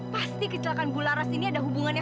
pasti kecelakaan bularas ini ada hubungannya